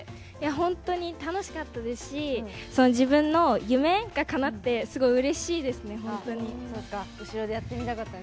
本当に楽しかったですし自分の夢がかなってすごいうれしいです。